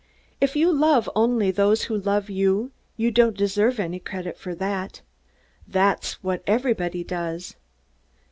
"If you love only those who love you, you don't deserve any credit for that. That's what everybody does.